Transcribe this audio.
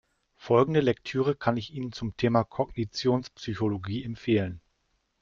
Folgende Lektüre kann ich Ihnen zum Thema Kognitionspsychologie empfehlen.